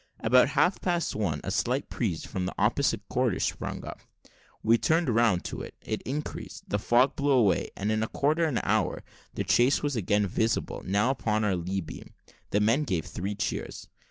About half past one, a slight breeze from the opposite quarter sprung up we turned round to it it increased the fog blew away, and, in a quarter of an hour, the chase was again visible, now upon our lee beam. The men gave three cheers.